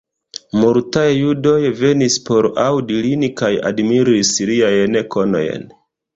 Multaj judoj venis por aŭdi lin kaj admiris liajn konojn.